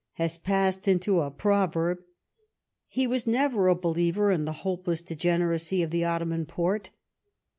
— ^has passed into a pro verb, he was never a believer in the hopeless degeneracy of the Ottoman Porte.